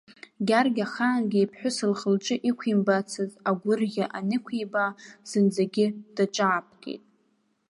Гьаргь ахаангьы иԥҳәыс лхы-лҿы иқәимбаацыз агәырӷьа анықәибаа, зынӡагьы даҿаапкит.